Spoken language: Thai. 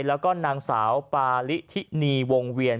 แล้วก็นางสาวปาลิทินีวงเวียน